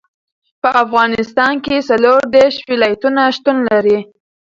په افغانستان کې څلور دېرش ولایتونه شتون لري.